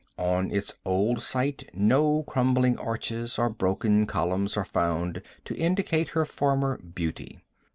On its old site no crumbling arches or broken columns are found to indicate her former beauty.